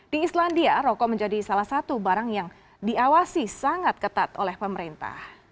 di islandia rokok menjadi salah satu barang yang diawasi sangat ketat oleh pemerintah